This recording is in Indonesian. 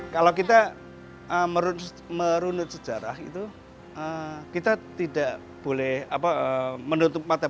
kalau kita merunut sejarah itu kita tidak boleh menutup mata